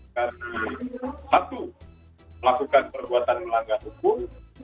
karena satu melakukan perbuatan melanggar hukum